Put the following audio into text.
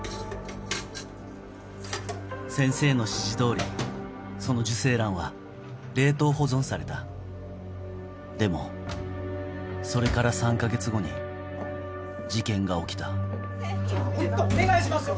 先生の指示通りその受精卵は冷凍保存されたでもそれから３か月後に事件が起きたホントお願いしますよ！